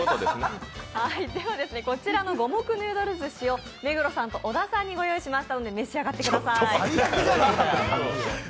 ではこちらの五目ヌードルずしを目黒さんと小田さんにご用意しましたので召し上がってください。